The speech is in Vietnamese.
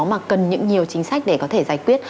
mà cần những nhiều chính sách để có thể giải quyết